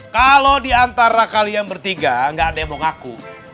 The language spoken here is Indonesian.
kalau diantara kalian bertiga gak ada yang mau ngaku